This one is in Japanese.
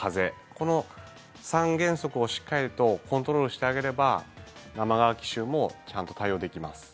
この三原則をしっかりとコントロールしてあげれば生乾き臭もちゃんと対応できます。